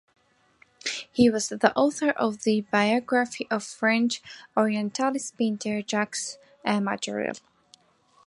He was the author of the biography of French orientalist painter Jacques Majorelle.